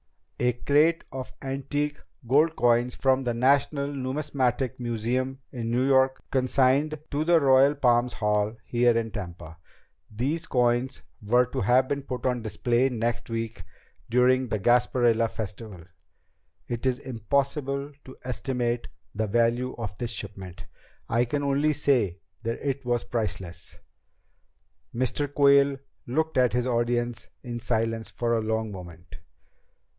A crate of antique gold coins from the National Numismatic Museum in New York consigned to the Royal Palms Hall here in Tampa. These coins were to have been put on display next week during the Gasparilla Festival. It is impossible to estimate the value of this shipment. I can only say that it was priceless." Mr. Quayle looked at his audience in silence for a long moment.